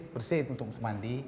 bersih untuk mandi